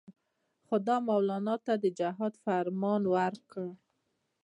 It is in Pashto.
خو ده مولنا ته د جهاد فرمان ورکړ.